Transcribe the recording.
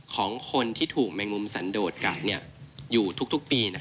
ของคนที่ถูกแมงมุมสันโดดกัดอยู่ทุกปี